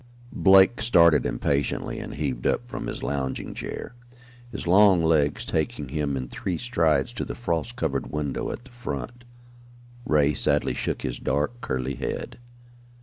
Blake started impatiently and heaved up from his lounging chair, his long legs taking him in three strides to the frost covered window at the front. Ray sadly shook his dark, curly head.